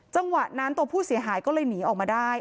จังหวะนั้นตัวผู้เสียหายก็เลยหนีออกมาได้